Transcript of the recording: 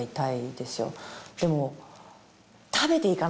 でも。